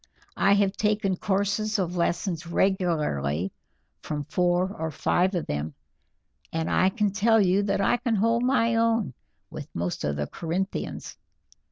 I have taken courses of lessons regularly from four or five of them, and I can tell you that I can hold my own with most of the Corinthians.